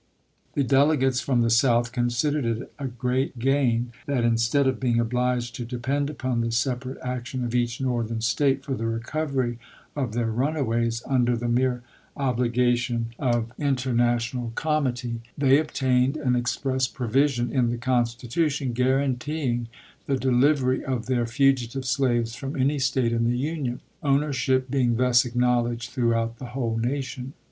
The delegates from the South considered it a great gain that, instead of being obliged to depend upon the separate action of each Northern State for the recovery of their runaways under the mere obligation of interna 20 ABRAHAM LINCOLN chap. ii. tional comity, they obtained an express provision in the Constitution guaranteeing the "delivery" of slrtici^4L their fugitive slaves from any State in the Union; ownership being thus acknowledged throughout the whole nation.